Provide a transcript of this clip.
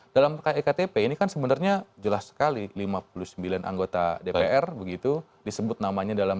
dalam iktp ini kan sebenarnya jelas sekali lima puluh sembilan anggota dpr begitu disebut namanya dalam